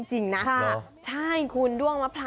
อร่อยค่ะ